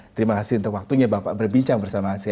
terima kasih untuk waktunya bapak berbincang bersama saya